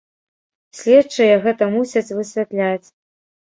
Следчыя гэта мусяць высвятляць.